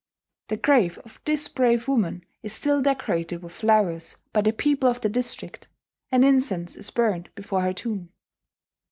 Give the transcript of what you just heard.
The grave of this brave woman is still decorated with flowers by the people of the district; and incense is burned before her tomb.